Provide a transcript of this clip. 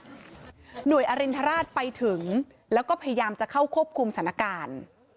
หน่วยอรินทราชไปถึงแล้วก็พยายามจะเข้าควบคุมสถานการณ์